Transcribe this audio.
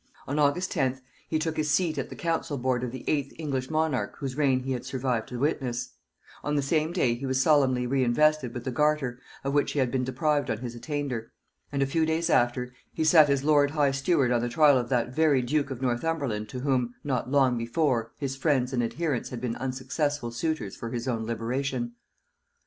On August 10th he took his seat at the council board of the eighth English monarch whose reign he had survived to witness; on the same day he was solemnly reinvested with the garter, of which he had been deprived on his attainder; and a few days after, he sat as lord high steward on the trial of that very duke of Northumberland to whom, not long before, his friends and adherents had been unsuccessful suitors for his own liberation.